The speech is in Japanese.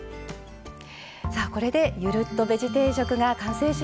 さあこれで「ゆるっとベジ定食」が完成しましたね。